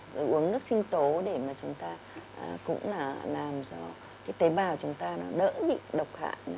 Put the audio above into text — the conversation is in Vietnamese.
rồi uống nước sinh tố để mà chúng ta cũng là làm cho cái tế bào chúng ta nó đỡ bị độc hại